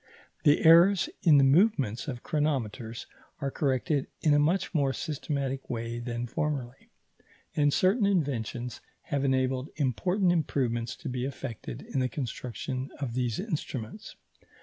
The errors in the movements of chronometers are corrected in a much more systematic way than formerly, and certain inventions have enabled important improvements to be effected in the construction of these instruments.